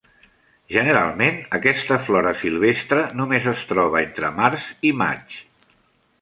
Generalment aquesta flora silvestre només es troba entre març i maig.